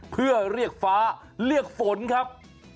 เพื่อเรียกฟ้าเรียกฝนครับ